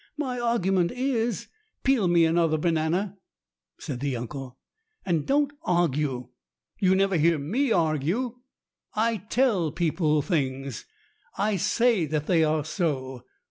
"My argument is " "Peel me another banana," said the uncle, "and don't argue. You never hear me argue. I tell people things. I say that they are so.